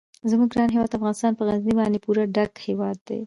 زموږ ګران هیواد افغانستان په غزني باندې پوره ډک هیواد دی.